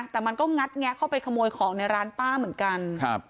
แต่มันก็งัดแงะเข้าไปขโมยของในร้านป้าเหมือนกันครับ